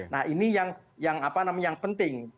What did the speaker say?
nah ini yang penting